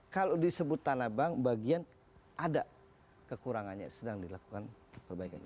kalau disebut tanah bank bagian ada kekurangannya sedang dilakukan perbaikan